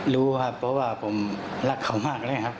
รู้ครับเพราะว่าผมรักเขามากเลยครับ